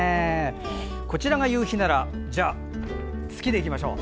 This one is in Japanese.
こちらが夕日ならじゃあ、月でいきましょう。